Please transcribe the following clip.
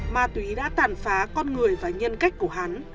ma túy đã tàn phá con người và nhân cách